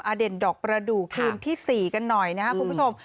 อภิธามอเด่นดอกประดูกคืนที่๔กันหน่อยนะคุณผู้ชม